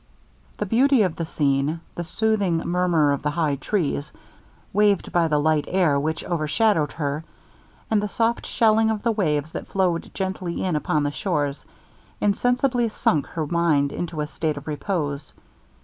The beauty of the scene, the soothing murmur of the high trees, waved by the light air which overshadowed her, and the soft shelling of the waves that flowed gently in upon the shores, insensibly sunk her mind into a state of repose.